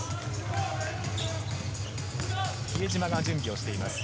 比江島が準備をしています。